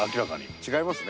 違いますね。